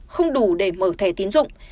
không đủ để mở thẻ tiến dụng